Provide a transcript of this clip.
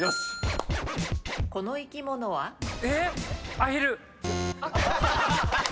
アヒル。